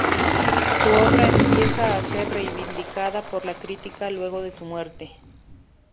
Su obra empieza a ser reivindicada por la crítica luego de su muerte.